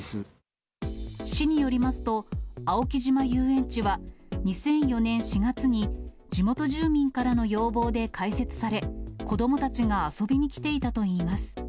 市によりますと、青木島遊園地は、２００４年４月に、地元住民からの要望で開設され、子どもたちが遊びに来ていたといいます。